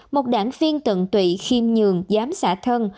một đảng viên tận tụy khiêm nhường giám xã thân